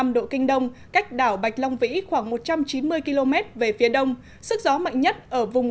một trăm linh chín năm độ kinh đông cách đảo bạch long vĩ khoảng một trăm chín mươi km về phía đông sức gió mạnh nhất ở vùng